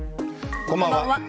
こんばんは。